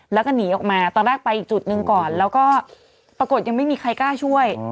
แล้วก็หนีออกมาตอนแรกไปอีกจุดหนึ่งก่อนแล้วก็ปรากฏยังไม่มีใครกล้าช่วย